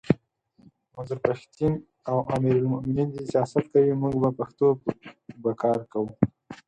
منظور پښتین او امیر المومنین دي سیاست کوي موږ به پښتو به کار کوو!